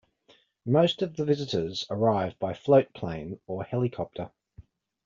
Most of the visitors arrive by float plane or helicopter.